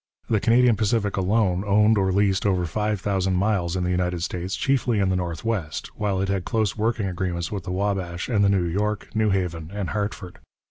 The Canadian Pacific alone owned or leased over five thousand miles in the United States, chiefly in the northwest, while it had close working agreements with the Wabash and the New York, New Haven and Hartford.